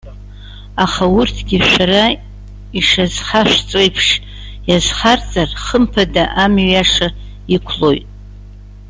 Аха урҭгьы шәара ишазхашәҵо еиԥш иазхарҵар, хымԥада, амҩа иаша иқәлоит.